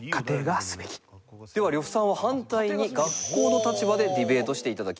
では呂布さんは反対に学校の立場でディベートして頂きます。